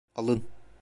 Alın.